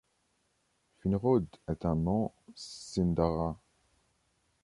Finrod est un nom sindarin.